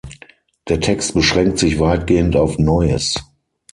Der Text beschränkt sich weitgehend auf Neues.